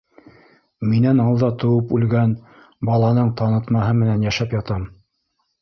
Минән алда тыуып үлгән баланың танытмаһы менән йәшәп ятам.